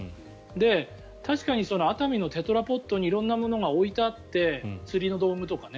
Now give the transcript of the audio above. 確かに熱海のテトラポッドに色んな物が置いてあって釣りの道具とかね